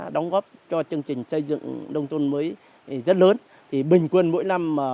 đóng góp cùng với nhân dân